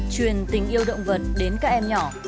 chuyên tính yêu động vật đến các em nhỏ